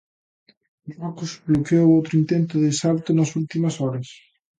Marrocos bloqueou outro intento de salto nas últimas horas.